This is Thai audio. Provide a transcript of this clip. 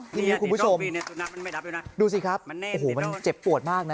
มิ้วคุณผู้ชมดูสิครับโอ้โหมันเจ็บปวดมากนะ